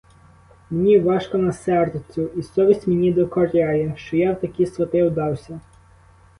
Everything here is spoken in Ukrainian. Мені важко на серцю і совість мені докоряє, що я в такі свати вдався.